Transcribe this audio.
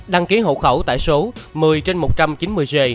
đăng ký hộ khẩu tại số một mươi trên một trăm chín mươi g